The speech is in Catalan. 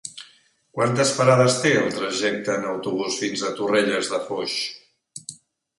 Quantes parades té el trajecte en autobús fins a Torrelles de Foix?